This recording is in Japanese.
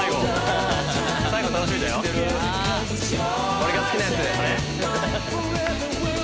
俺が好きなやつ。